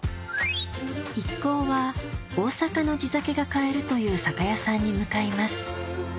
一行は大阪の地酒が買えるという酒屋さんに向かいます